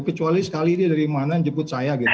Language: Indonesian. kecuali sekali ini dari mana yang jemput saya gitu